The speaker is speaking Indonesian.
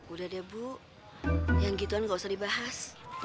udah deh bu yang gituan gak usah dibahas